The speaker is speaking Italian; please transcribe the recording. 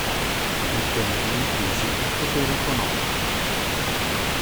Mettendone in crisi il potere economico.